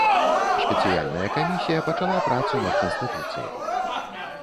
Спецыяльная камісія пачала працу над канстытуцыяй.